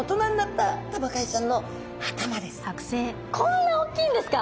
こんなおっきいんですか！？